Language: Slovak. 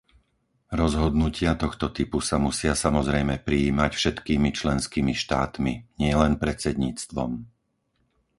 Rozhodnutia tohto typu sa musia samozrejme prijímať všetkými členskými štátmi, nielen predsedníctvom.